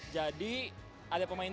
jadi ada pemainnya